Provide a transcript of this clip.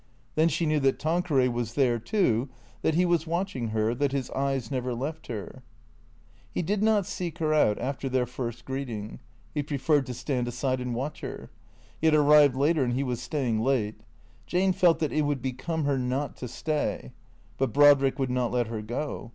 Then she knew that Tanqueray was there, too, that he was watching her, that his eyes never left her. He did not seek her out after their first greeting. He pre ferred to stand aside and watch her. He had arrived later and he was staying late. Jane felt that it would become her not to stay. But Brodrick would not let her go.